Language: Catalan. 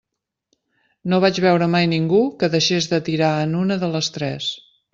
No vaig veure mai ningú que deixés de tirar en una de les tres.